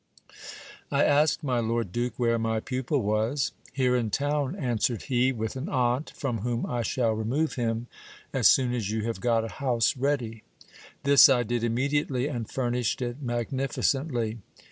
I asked my lord duke where my pupil was. Here in town, answered he, with an aunt from whom I shall remove him as soon as you have got a house ready. This I did immediately, and furnished it magnificently.